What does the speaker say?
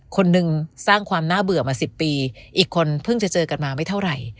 คนหนึ่งสร้างความน่าเบื่อมา๑๐ปีอีกคนเพิ่งจะเจอกันมาไม่เท่าไหร่